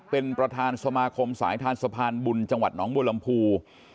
เป็นประธานสมาคมสายทานสะพานบุญจังหวัดหนองบัวลำพู